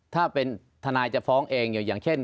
ถ้าเป็นทนายจะฟ้องเองอย่างเช่น